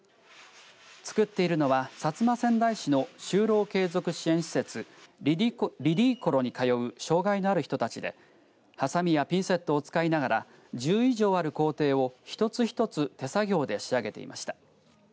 作っているのは薩摩川内市の就労継続支援施設Ｒｉｄｉｃｏｌｏ．に通う障害のある人たちではさみやピンセットを使いながら１０以上ある工程を一つ、一つ手作業で仕上げていました。